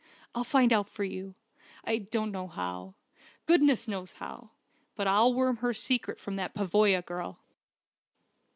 I'll find out for you. I don't know how. Goodness knows how! But I'll worm her secret from that Pavoya girl!"